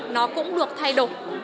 nó cũng được thay đổi